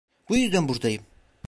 Bu yüzden buradayım.